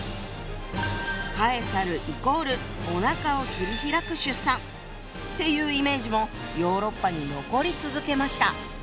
カエサルイコールおなかを切り開く出産っていうイメージもヨーロッパに残り続けました。